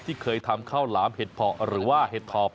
เคยทำข้าวหลามเห็ดเพาะหรือว่าเห็ดถอบ